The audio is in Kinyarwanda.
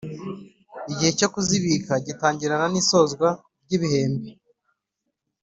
Igihe cyo kuzibika gitangirana n isozwa ry igihembwe